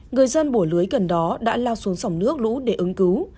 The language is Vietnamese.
người dân bổ lưới gần đó đã lao xuống dòng nước lũ để ứng cứu